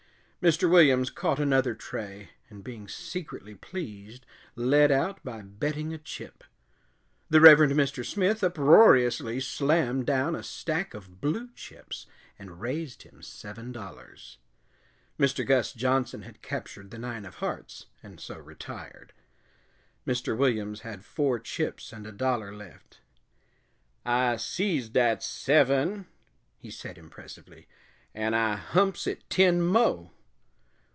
Mr. Williams caught another tray, and, being secretly pleased, led out by betting a chip. The Reverend Mr. Smith uproariously slammed down a stack of blue chips and raised him seven dollars. Mr. Gus Johnson had captured the nine of hearts and so retired. Mr. Williams had four chips and a dollar left. "I sees dat seven," he said impressively, "an' I humps it ten mo'."